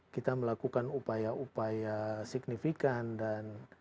kita melakukan upaya upaya signifikan dan